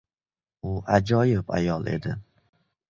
U ajoyib ayol edi.